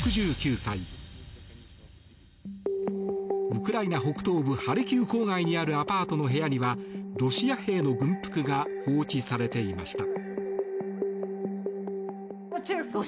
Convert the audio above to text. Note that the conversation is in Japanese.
ウクライナ北東部ハルキウ郊外にあるアパートの部屋にはロシア兵の軍服が放置されていました。